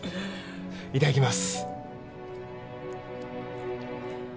いただきます。